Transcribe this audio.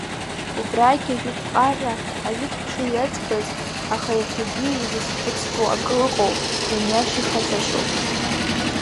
Убрагь ажәытә ԥҟарра, ажәытә хшыҩ иаӡбаз, аха иахьагьы изызхәыцтәу акы ыҟоуп, ианиашьа ихаҵашьоуп…